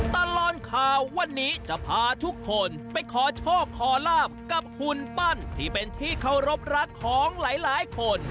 ตลอดข่าววันนี้จะพาทุกคนไปขอโชคขอลาบกับหุ่นปั้นที่เป็นที่เคารพรักของหลายคน